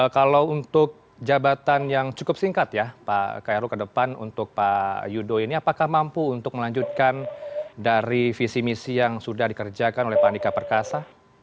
kalau untuk jabatan yang cukup singkat ya pak kairul ke depan untuk pak yudo ini apakah mampu untuk melanjutkan dari visi misi yang sudah dikerjakan oleh pak andika perkasa